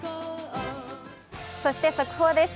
そして速報です。